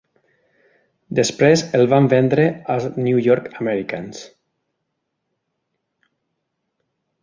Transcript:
Després el van vendre als New York Americans.